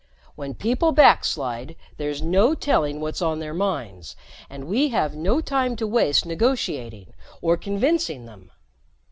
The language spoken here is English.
When people backslide, there's no telling what's on their minds and we have no time to waste negotiating or convincing them.